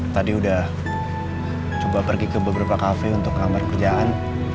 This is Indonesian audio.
tadi udah coba pergi ke beberapa kafe untuk gambar kerjaan